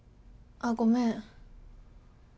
あっごめん